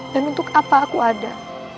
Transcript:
dan untuk apa aku ada